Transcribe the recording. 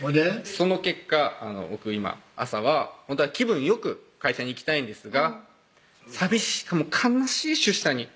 その結果僕今朝はほんとは気分良く会社に行きたいんですが寂しく悲しい出社になってます